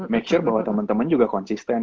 make sure bahwa temen temen juga konsisten